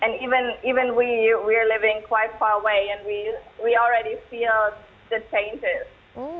dan kita juga mengalami berat yang jauh dan kita sudah merasakan perubahan